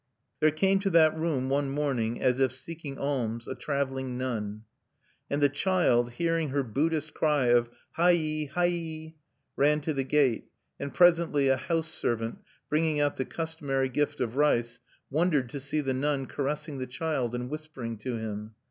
There came to that home one morning, as if seeking alms, a traveling nun; and the child, hearing her Buddhist cry of "Ha i! ha i!" ran to the gate. And presently a house servant, bringing out the customary gift of rice, wondered to see the nun caressing the child, and whispering to him.